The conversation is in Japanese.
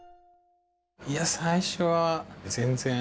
いや最初は全然。